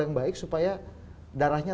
yang baik supaya darahnya